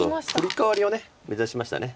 フリカワリを目指しました。